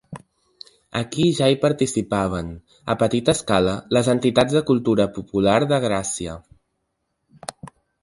Aquí ja hi participaven, a petita escala, les entitats de cultura popular de Gràcia.